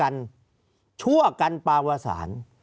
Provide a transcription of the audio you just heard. ภารกิจสรรค์ภารกิจสรรค์